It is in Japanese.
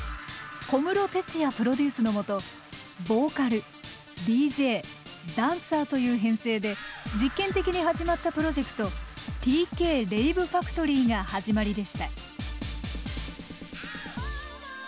小室哲哉プロデュースのもとボーカルＤＪダンサーという編成で実験的に始まったプロジェクト「ＴＫＲＡＶＥＦＡＣＴＯＲＹ」が始まりでした。